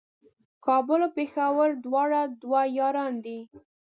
کابل او پېښور دواړه دوه یاران دي